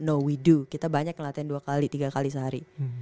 no we do kita banyak ngelatih dua kali tiga kali sehari